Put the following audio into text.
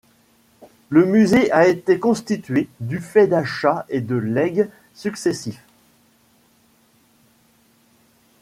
Le musée a été constitué du fait d'achats et de legs successifs.